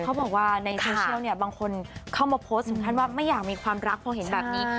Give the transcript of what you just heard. เขาบอกว่าในโซเชียลเนี่ยบางคนเข้ามาโพสต์ถึงขั้นว่าไม่อยากมีความรักพอเห็นแบบนี้